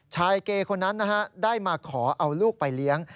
เกย์คนนั้นนะฮะได้มาขอเอาลูกไปเลี้ยง